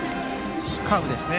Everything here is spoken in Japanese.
カーブですね。